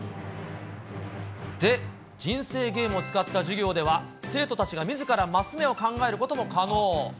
で、人生ゲームを使った授業では、生徒たちがみずからマス目を考えることも可能。